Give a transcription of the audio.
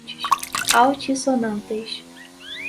altissonantes